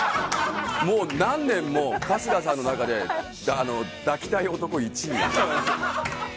もう何年も春日さんの中で抱きたい男１位。